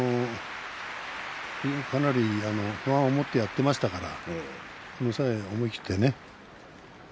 かなり不安を持ってやっていましたから、この際思い切ってね。